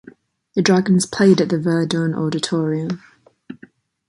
The Dragons played at the Verdun Auditorium.